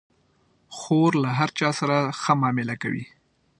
خور له هر چا سره ښه معامله کوي.